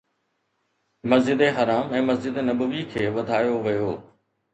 مسجد حرام ۽ مسجد نبوي کي وڌايو ويو